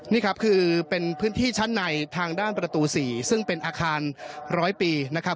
นี่ครับคือเป็นพื้นที่ชั้นในทางด้านประตู๔ซึ่งเป็นอาคาร๑๐๐ปีนะครับ